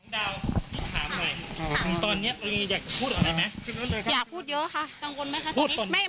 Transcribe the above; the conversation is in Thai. แกกลัวไม่เจอแกไปประกันตัว